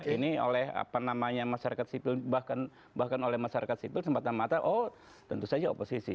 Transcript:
ini oleh apa namanya masyarakat sipil bahkan oleh masyarakat sipil semata mata oh tentu saja oposisi